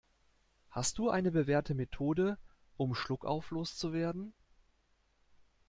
Hast du eine bewährte Methode, um Schluckauf loszuwerden?